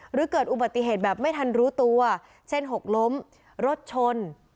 หรือเกิดอุบัติเหตุแบบไม่ทันรู้ตัวเช่นหกล้มรถชน